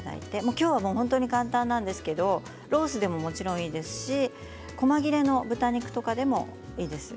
今日は本当に簡単なんですけれどロースでもいいですしこま切れの豚肉とかでもいいです。